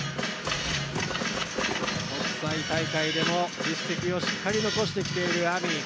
国際大会でも実績をしっかり残してきているＡＭＩ。